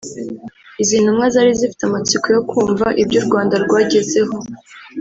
Izi ntumwa zari zifite amatsiko yo kumva ibyo u Rwanda rwagezeho